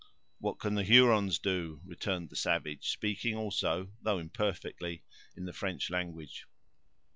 "What can the Hurons do?" returned the savage, speaking also, though imperfectly, in the French language.